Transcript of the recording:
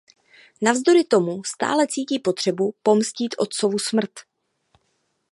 Navzdory tomu stále cítí potřebu pomstít otcovu smrt.